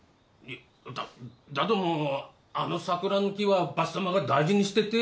だだどもあの桜の木はばっさまが大事にしてて。